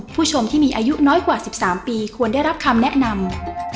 ผู้ชมที่มีอายุน้อยกว่า๑๓ปีควรได้รับคำแนะนำ